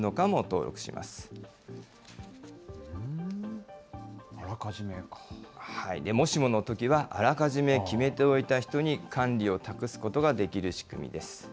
もしものときは、あらかじめ決めておいた人に管理を託すことができる仕組みです。